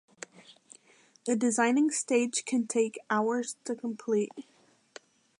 The designing stage can take hours to complete.